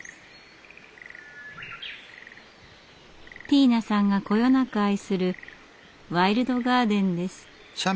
ティーナさんがこよなく愛するワイルドガーデンです。